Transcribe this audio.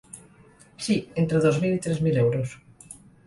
Sí, entre dos mil i tres mil euros.